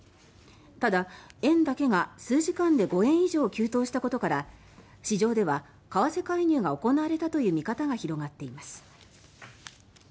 ただ、円だけが数時間で５円以上急騰したことから市場では為替介入が行われたという見方が広がっています。